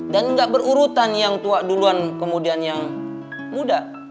dan tidak berurutan yang tua duluan kemudian yang muda